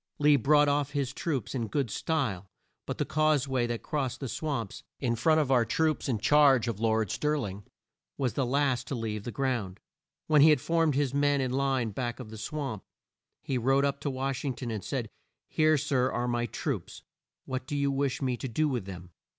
Lee brought off his troops in good style by the cause way that crossed the swamps, in front of our troops in charge of Lord Stir ling, and was the last to leave the ground. When he had formed his men in line back of the swamp, he rode up to Wash ing ton, and said, "Here, sir, are my troops, what do you wish me to do with them?"